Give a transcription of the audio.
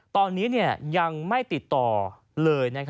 ตอนนี้ยังไม่ติดต่อเลย